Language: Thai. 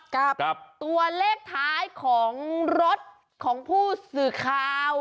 กับตัวเลขท้ายของรถของผู้สื่อข่าว